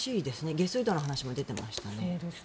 下水道の話も出ていましたね。